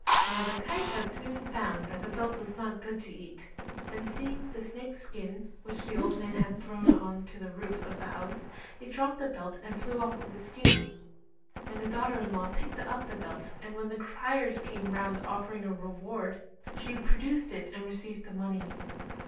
Now the kite had soon found that the belt was not good to eat and seeing the snake's skin which the old man had thrown on to the roof of the house, it dropped the belt and flew off with the skin; and the daughter in law picked up the belt and when criers came round offering a reward she produced it and received the money.